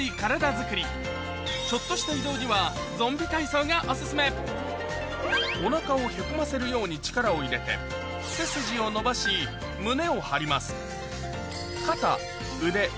づくりちょっとした移動にはゾンビ体操がお薦めおなかをへこませるように力を入れて背筋を伸ばし胸を張ります